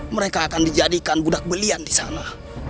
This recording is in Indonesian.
mereka akan dijadikan budak belian disana